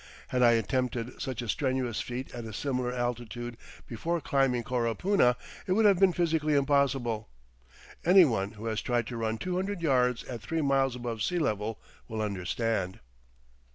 Had I attempted such a strenuous feat at a similar altitude before climbing Coropuna it would have been physically impossible. Any one who has tried to run two hundred yards at three miles above sea level will understand.